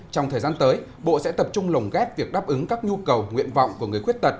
trong thời gian tới bộ sẽ tập trung lồng ghép việc đáp ứng các nhu cầu nguyện vọng của người khuyết tật